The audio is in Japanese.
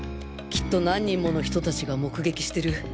きっと何人もの人たちが目撃してる。